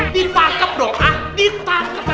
ditangkep dong ah ditangkep